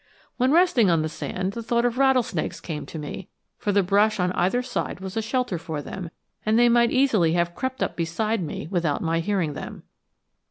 When resting on the sand the thought of rattlesnakes came to me, for the brush on either side was a shelter for them, and they might easily have crept up beside me without my hearing them.